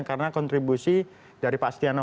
karena kontribusi dari pak stiano